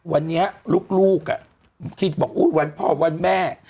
วันนี้ลูกที่บอกอุ๊ยวันพ่อวันแม่